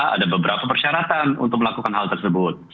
ada beberapa persyaratan untuk melakukan hal tersebut